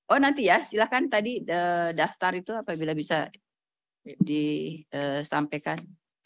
oh nanti ya silahkan tadi daftar itu apabila bisa disampaikan